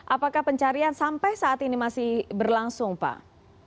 apakah pencarian sampai saat ini masih berlangsung pak